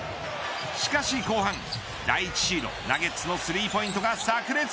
しかし後半第１シード、ナゲッツのスリーポイントがさく裂。